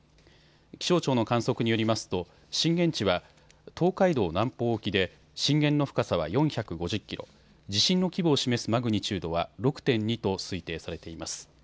気象庁の観測によりますと震源地は東海道南方沖で震源の深さは４５０キロ、地震の規模を示すマグニチュードは６．２と推定されています。